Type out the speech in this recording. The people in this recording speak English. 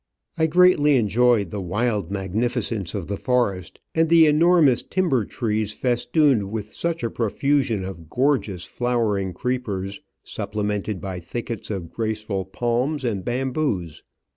I greatly enjoyed the wild magnificence of the forest and the enormous timber trees festooned with such a profusion of gorgeous, flowering creepers, supple mented by thickets of graceful palms and bamboos.